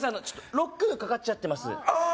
ロックかかっちゃってますああ